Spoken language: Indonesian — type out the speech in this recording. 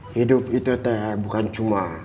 hidup itu bukan cuma